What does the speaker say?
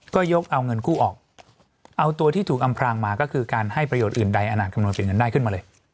ก็ยกเอาเงินกู้ออกเอาตัวที่ถูกอำพรางมาก็คือการให้ประโยชน์อื่นใดอาจคำนวณเป็นเงินได้ขึ้นมาเลย